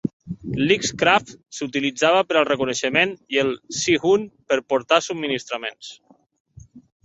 L'"X-craft" s'utilitzava per al reconeixement i el "Seehund" per portar subministraments.